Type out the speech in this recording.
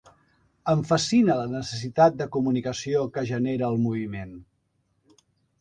Em fascina la necessitat de comunicació que genera el moviment.